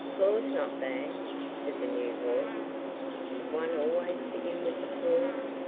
"Floor's not bad," said the new voice. Did one always begin with the floor?